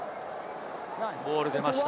ボール出ました。